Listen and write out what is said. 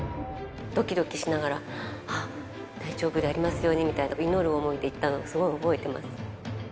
どきどきしながら、ああ、大丈夫でありますようにみたいに、祈る思いで行ったの、すごい覚えてます。